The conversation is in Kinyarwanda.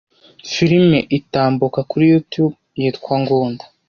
filime itambuka kuri YouTube yitwa Ngunda .